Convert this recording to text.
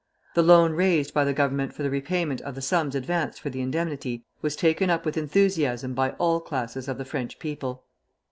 The loan raised by the Government for the repayment of the sums advanced for the indemnity was taken up with enthusiasm by all classes of the French people.